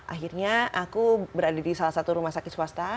akhirnya aku berada di salah satu rumah sakit swasta